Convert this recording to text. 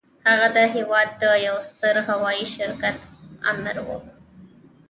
هغه د هېواد د يوه ستر هوايي شرکت آمر و.